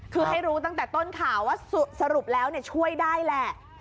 คือให้รู้ตั้งแต่ต้นข่าวว่าสรุปแล้วช่วยได้แหละ